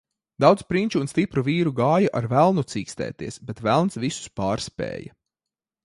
Daudz prinču un stipru vīru gāja ar velnu cīkstēties, bet velns visus pārspēja.